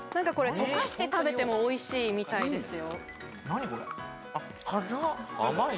溶かして食べてもおいしいみたいですよ。